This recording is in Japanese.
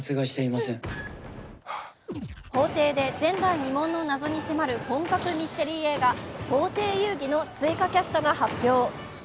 法廷で前代未聞の謎に迫る本格ミステリー映画、「法廷遊戯」の追加キャストが発表。